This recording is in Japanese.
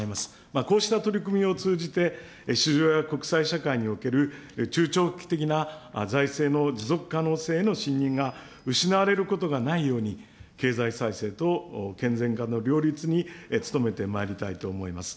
こうした取り組みを通じて、市場や国際社会における中長期的な財政の持続可能性への信認が失われることがないように、経済再生と健全化の両立に努めてまいりたいと思います。